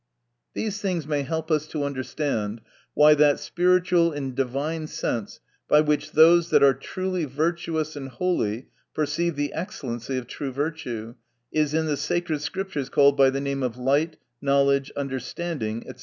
These things may help us to understand why that spiritual and divine sense, by which those that are truly virtuous and holy, perceive the excellency of true virtue, is in the sacred Scriptures called by the name of light, knowledge, un derstanding, &c.